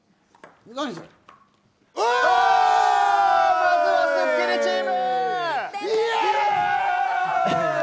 まずはスッキリチーム！